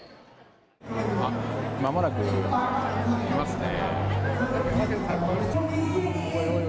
まもなく来ますね。